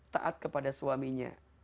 taat kepada suaminya